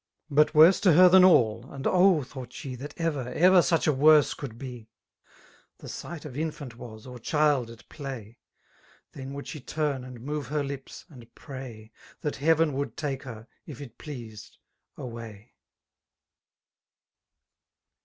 But worse to her than all (and oh L thought sh6» That ever, ever siieh a worse cotdd bel) The sight of infant was, xx diild at play; Then, would she tttm» and move ber lips, and pray. That heaven would take her, if it pleased, away.